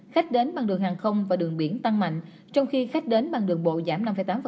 khách đến bằng đường hàng không và đường biển tăng mạnh trong khi khách đến bằng đường bộ giảm năm tám